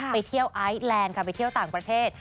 ไปเที่ยวไอซแลนด์ค่ะไปเที่ยวต่างประเทศ